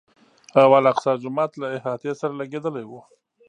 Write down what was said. او الاقصی جومات له احاطې سره لګېدلی و.